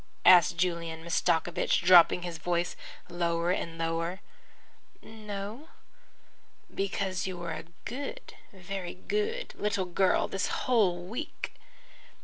asked Julian Mastakovich, dropping his voice lower and lower. "No." "Because you were a good, very good little girl the whole week."